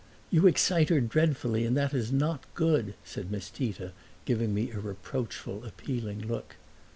"You excite her dreadfully and that is not good," said Miss Tita, giving me a reproachful, appealing look.